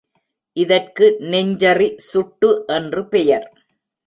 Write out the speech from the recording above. இதற்கு நெஞ்சறி சுட்டு என்று பெயர்.